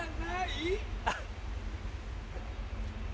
あっ！